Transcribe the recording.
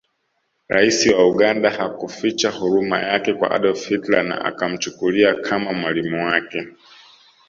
Rais wa Uganda hakuficha huruma yake kwa Adolf Hitler na akamchukulia kama mwalimu wake